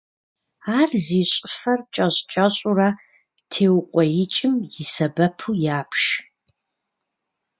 Ар зи щӏыфэр кӏэщӏ-кӏэщӏурэ теукъуеикӏым и сэбэпу ябж.